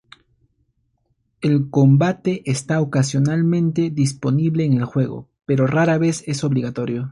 El combate está ocasionalmente disponible en el juego, pero rara vez es obligatorio.